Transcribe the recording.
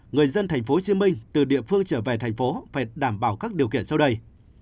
hai người dân tp hcm từ địa phương trở về tp hcm phải đảm bảo các điều kiện sau đây